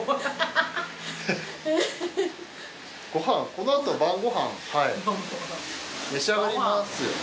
このあと晩ご飯召し上がりますよね？